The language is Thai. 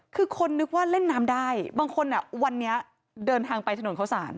คือคนนึกว่าเล่นน้ำได้บางคนวันนี้เดินทางไปถนนเข้าสาร